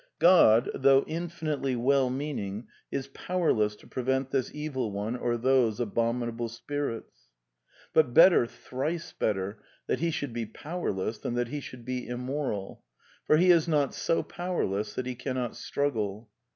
God, though infinitely well meaning, is power less to prevent this Evil One or those abominable spirits. But better, thrice better, that he should be powerless than that he should be immoral ; for he is not so powerless that he cannot stru^le.